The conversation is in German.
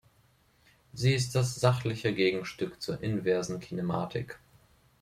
Sie ist das sachliche Gegenstück zur inversen Kinematik.